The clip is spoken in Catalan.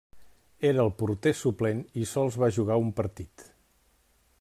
Era el porter suplent i sols va jugar un partit.